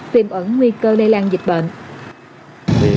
tìm ẩn nguy cơ lây lan dịch bệnh